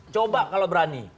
coba kalau berani